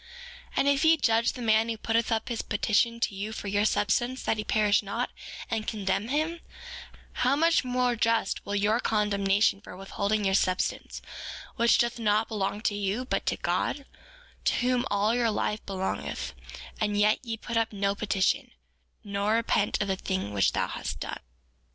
4:22 And if ye judge the man who putteth up his petition to you for your substance that he perish not, and condemn him, how much more just will be your condemnation for withholding your substance, which doth not belong to you but to God, to whom also your life belongeth; and yet ye put up no petition, nor repent of the thing which thou hast done.